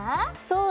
そう！